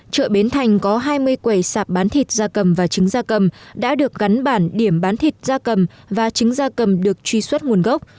chợ bến thành có hai mươi quầy sạp bán thịt da cầm và trứng da cầm đã được gắn bản điểm bán thịt da cầm và trứng da cầm được truy xuất nguồn gốc